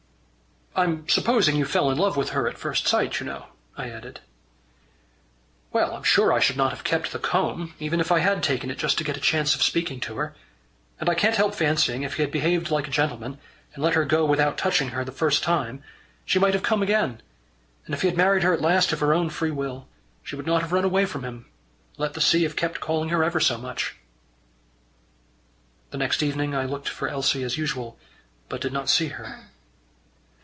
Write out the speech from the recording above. "I'm supposing you fell in love with her at first sight, you know," I added. "Well, I'm sure I should not have kept the comb, even if I had taken it just to get a chance of speaking to her. And I can't help fancying if he had behaved like a gentleman, and let her go without touching her the first time, she might have come again; and if he had married her at last of her own free will, she would not have run away from him, let the sea have kept calling her ever so much." The next evening, I looked for Elsie as usual, but did not see her.